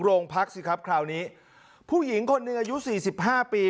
โรงพักสิครับคราวนี้ผู้หญิงคนหนึ่งอายุสี่สิบห้าปี